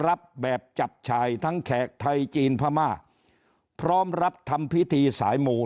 รับแบบจับชายทั้งแขกไทยจีนพม่าพร้อมรับทำพิธีสายหมู่